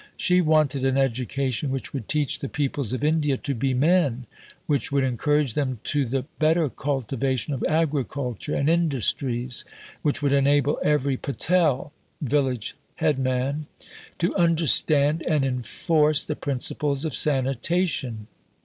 She wanted an education which would teach the peoples of India to be "men," which would encourage them to the better cultivation of agriculture and industries, which would enable every patel (village headman) to understand and enforce the principles of sanitation.